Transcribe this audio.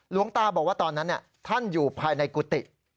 หลวงตาบอกว่าตอนนั้นท่านอยู่ภายในกุฏิ